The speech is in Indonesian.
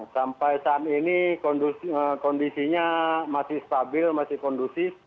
sampai saat ini kondisinya masih stabil masih kondusif